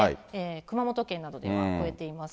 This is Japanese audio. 熊本県などでは超えています。